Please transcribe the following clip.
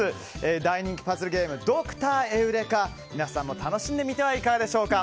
大人気パズルゲームドクターエウレカ皆さんも楽しんでみてはいかがでしょうか。